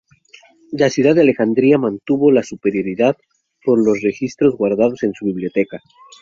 La ciudad de Alejandría mantuvo la superioridad por los registros guardados en su biblioteca.